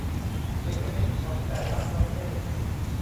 เอกสิทธิ์ของแต่ละประเทศ